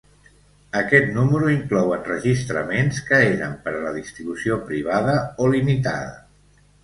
Aquest número inclou enregistraments que eren per a la distribució privada o limitada.